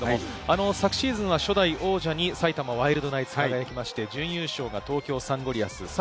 昨シーズンは初代王者に埼玉ワイルドナイツが輝いて準優勝が東京サンゴリアス。